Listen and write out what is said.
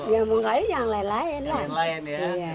yang buang ke kali ini yang lain lain lah